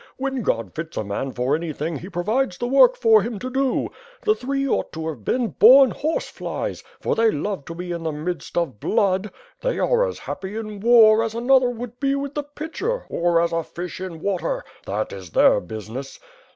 When God fits a man for anything he pro vides the work for him to do. The three ought to have been bom horse flies, for they love to be in the midst of blood. They are as happy in war as another would be with the pitcher, or as a fish in water. That is their business.